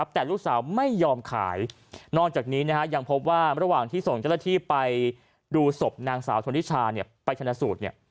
แต่ลูกสาวไม่ยอมขายนอกจากนี้ยังพบว่าระหว่างที่ส่งเจ้าหน้าที่ไปดูศพนางสาวชนนิชาไปชนะสูตร